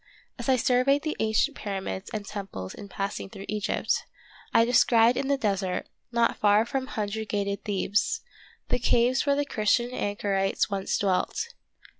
As I surveyed the ancient pyramids and temples in passing through Egypt, I descried in the desert, not far from hundred gated Thebes, the caves where the Christian anchorites once dwelt.